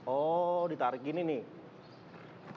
oh ditarik gini nih